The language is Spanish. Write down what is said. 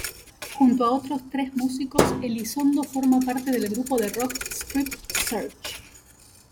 Junto a otros tres músicos, Elizondo forma parte del grupo de rock Strip Search.